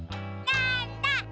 なんだ？